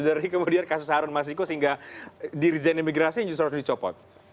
dari kemudian kasus harun masjiko sehingga dirijen imigrasi yang justru harus dicopot